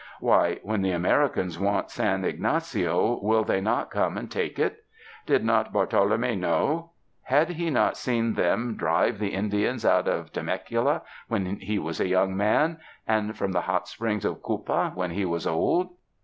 Why, when the Americans want San Ygnacio, will they not come and take it? Did not I>artolome know? Had he not seen them drive the 94 THE MOUNTAINS Indians out of Temecula wben lie was a young man, and from the hot springs of Cupa when he was old?